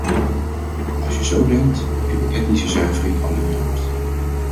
Als je zo denkt, heb je de etnische zuivering al in je hoofd.